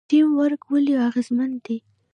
ټیم ورک ولې اغیزمن دی؟